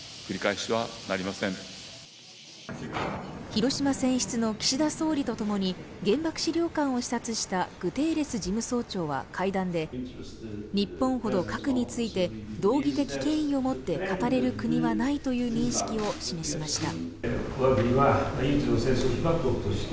広島選出の岸田総理とともに原爆資料館を視察したグテーレス事務総長は会談で日本ほど核について道義的権威を持って語れる国はないという認識を示しました。